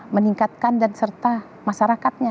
meningkatkan dan serta masyarakatnya